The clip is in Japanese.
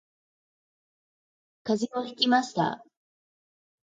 風邪をひきました